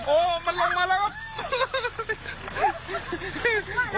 โอ้มันลงมาแล้ว